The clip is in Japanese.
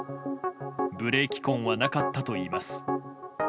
ブレーキ痕はなかったといいます。